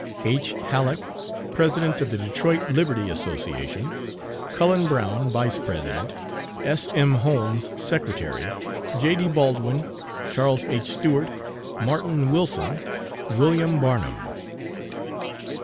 H. HALLOCK, President of the Detroit Lib. Association. CULLEN BROWN, VICE PRESIDENT. S.M. HOLMES, SECRETARY. J.D. BALDWIN, CHARLES H. STEWART, MARTIN WILSON, WILLIAM BARNUM.